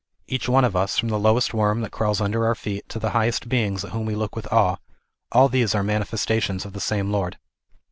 Each one of us, from the lowest worm that crawls under our feet to the highest beings at whom we look with awe, all these are manifestations of the same Lord.